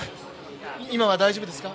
今は大丈夫ですか？